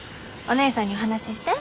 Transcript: おねえさんにお話しして。